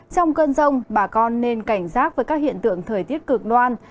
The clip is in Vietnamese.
trong cơn rông bà con nên cảnh giác với các hiện tượng thời tiết cực đoan